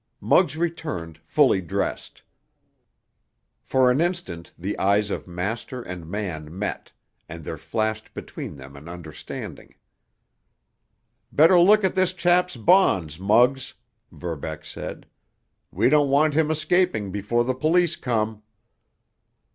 Muggs returned fully dressed. For an instant the eyes of master and man met, and there flashed between them an understanding. "Better look at this chap's bonds, Muggs," Verbeck said. "We don't want him escaping before the police come."